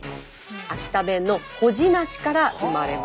秋田弁の「ほじなし」から生まれました。